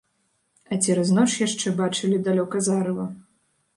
А цераз ноч яшчэ бачылі далёка зарыва.